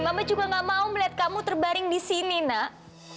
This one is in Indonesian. mama juga gak mau melihat kamu terbaring di sini nak